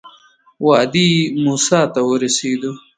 وادي موسی ته ورسېدو.